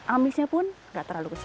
amisnya pun tidak terlalu kesel